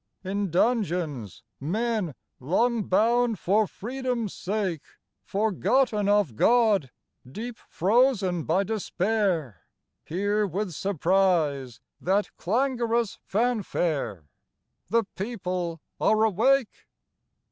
In dungeons, men, long bound for freedom's sake, Forgotten of God, deep frozen by despair, Hear with surprise that clangorous fanfare: The People are awake!